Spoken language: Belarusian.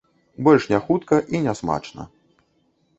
Больш не хутка і не смачна.